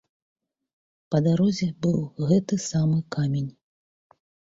Па дарозе быў гэты самы камень.